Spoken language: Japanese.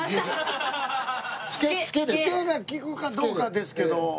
ツケが利くかどうかですけど。